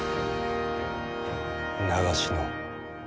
長篠。